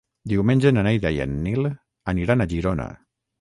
Diumenge na Neida i en Nil aniran a Girona.